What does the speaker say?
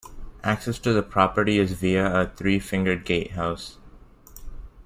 Access to the property is via a three-fingered gatehouse.